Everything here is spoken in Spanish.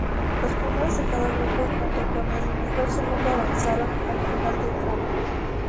Los primeros de cada grupo junto con el mejor segundo avanzaron al final four.